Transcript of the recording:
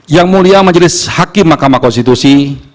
yang mulia majelis hakim mahkamah konstitusi